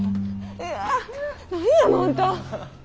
いや何やのあんた。